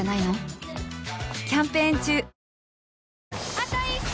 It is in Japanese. あと１周！